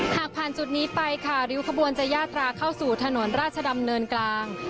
หากผ่านจุดนี้ไปค่ะริ้วขบวนจะยาตราเข้าสู่ถนนราชดำเนินกลาง